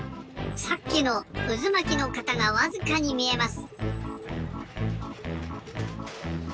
さっきのうずまきの型がわずかにみえます！